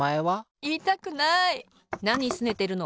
なにすねてるの？